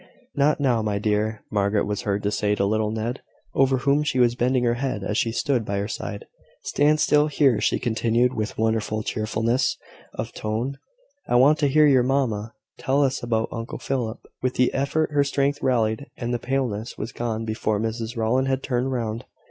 "Not now, my dear," Margaret was heard to say to little Ned, over whom she was bending her head as he stood by her side. "Stand still here," she continued, with wonderful cheerfulness of tone; "I want to hear your mamma tell us about Uncle Philip." With the effort her strength rallied, and the paleness was gone before Mrs Rowland had turned round.